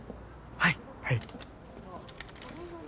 はい。